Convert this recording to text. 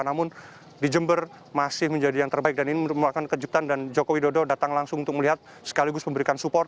namun di jember masih menjadi yang terbaik dan ini merupakan kejutan dan joko widodo datang langsung untuk melihat sekaligus memberikan support